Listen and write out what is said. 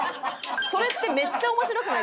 それってめっちゃ面白くないですか？